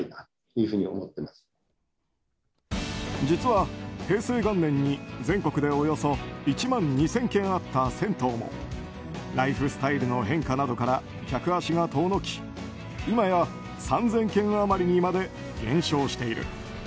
実は、平成元年に全国でおよそ１万２０００軒あった銭湯もライフスタイルの変化などから客足が遠のき今や３０００軒余りにまで減少している。